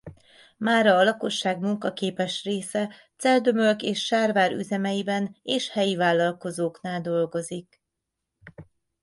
Mára a lakosság munkaképes része Celldömölk és Sárvár üzemeiben és helyi vállalkozóknál dolgozik.